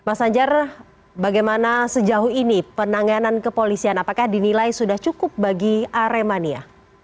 mas anjar bagaimana sejauh ini penanganan kepolisian apakah dinilai sudah cukup bagi aremania